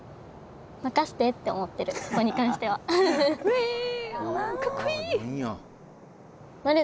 任せてって思ってるそこに関してはえ！